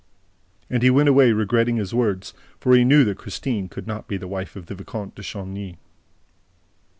And he went away regretting his words, for he knew that Christine could not be the wife of the Vicomte de Chagny.